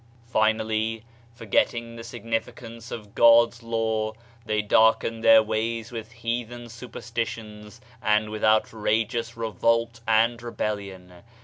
Finally, forgetting the significance of God's law, they darkened their ways with heathen super stitions and with outrageous revolt and rebellion.